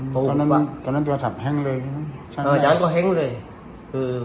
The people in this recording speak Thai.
ตอนนั้นโทรศัพท์แห้งเลย